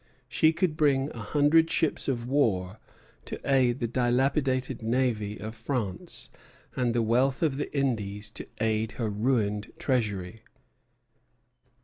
She could bring a hundred ships of war to aid the dilapidated navy of France, and the wealth of the Indies to aid her ruined treasury.